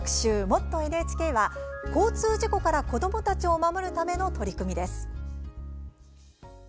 「もっとＮＨＫ」は交通事故から子どもたちを守るための取り組みです。